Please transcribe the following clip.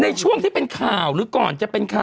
ในช่วงที่เป็นข่าวหรือก่อนจะเป็นข่าว